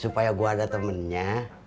supaya gue ada temennya